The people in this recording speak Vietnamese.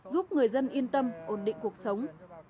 giúp người dân yên tâm ổn định cuộc sống